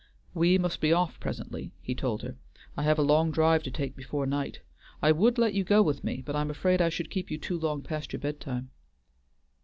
"We must be off presently," he told her. "I have a long drive to take before night. I would let you go with me, but I am afraid I should keep you too long past your bedtime."